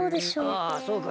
ああそうか。